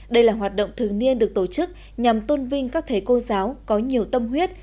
đây là hoạt động thường niên được tổ chức nhằm tôn vinh các thầy cô giáo có nhiều tâm huyết